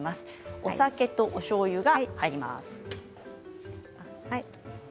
お酒とおしょうゆが入ります。